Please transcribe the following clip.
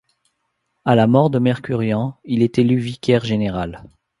À la mort de Mercurian, il est élu Vicaire Général.